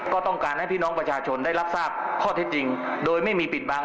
ก็ต้องการให้พี่น้องประชาชนได้รับทราบข้อเท็จจริงโดยไม่มีปิดบัง